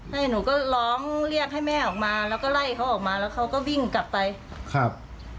ใช่หนูก็ร้องเรียกให้แม่ออกมาแล้วก็ไล่เขาออกมาแล้วเขาก็วิ่งกลับไปครับ